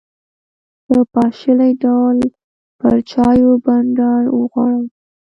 په پاشلي ډول پر چایو بانډار وغوړاوه.